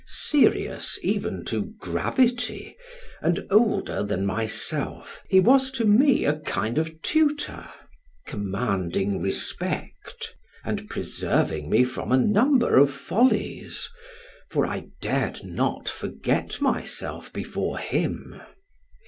Serious even to gravity, and older than myself, he was to me a kind of tutor, commanding respect, and preserving me from a number of follies, for I dared not forget myself before him.